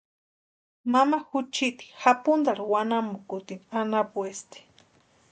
Mama juchiti japuntarhu wanamukutini anapuesti.